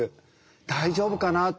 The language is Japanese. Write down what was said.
大丈夫かなって。